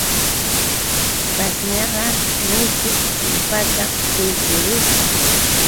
Pashñaqa muchuq chumpata quykurusqa.